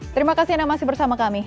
terima kasih anda masih bersama kami